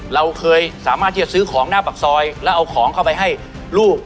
เราเคยสามารถที่จะซื้อของหน้าปากซอยแล้วเอาของเข้าไปให้ลูก